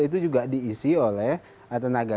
itu juga diisi oleh tenaga